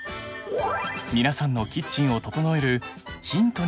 皆さんのキッチンを整えるヒントになりますように。